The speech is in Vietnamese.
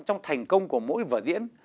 trong thành công của mỗi vở diễn